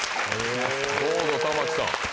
どうぞ玉置さん